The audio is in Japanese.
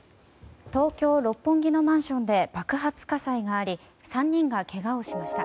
東京・六本木のマンションで爆発火災があり３人がけがをしました。